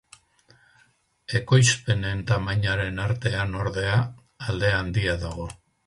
Ekoizpenen tamainaren artean ordea, alde handia dago.